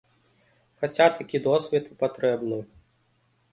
Хаця такі досвед і патрэбны.